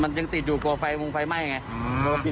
มันยังติดอยู่กว่าไฟใงงวงไฟไหม้ไงอ๋อ